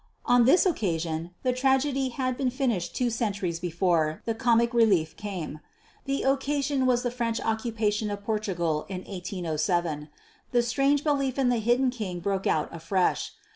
On this occasion the tragedy had been finished two centuries before the "comic relief" came. The occasion was in the French occupation of Portugal in 1807. The strange belief in the Hidden King broke out afresh.